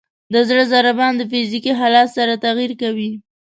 د زړه ضربان د فزیکي حالت سره تغیر کوي.